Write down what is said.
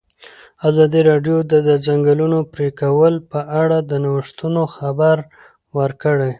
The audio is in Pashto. ازادي راډیو د د ځنګلونو پرېکول په اړه د نوښتونو خبر ورکړی.